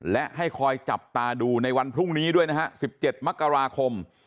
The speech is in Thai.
และให้คอยจับตาดูในวันพรุ่งนี้ด้วยนะฮะ๑๗มกราคม